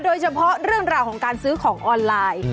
โดยเฉพาะเรื่องราวของการซื้อของออนไลน์